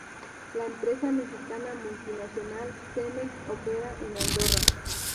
La empresa mexicana multinacional, Cemex, opera en Andorra.